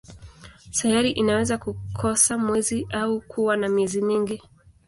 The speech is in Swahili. Sayari inaweza kukosa mwezi au kuwa na miezi mingi.